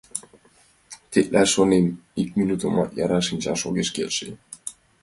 Тетла, шонем, ик минутымат яра шинчаш огеш келше.